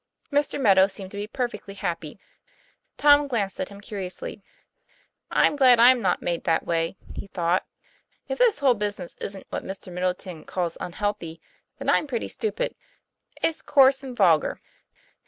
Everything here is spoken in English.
Mr. Meadow seemed to be perfectly happy. Tom glanced at him curiously. "I'm glad I'm not made that way," he thought. "If this whole business isn't what Mr. Middleton calls unhealthy, then I'm pretty stupid. It's coarse and vulgar."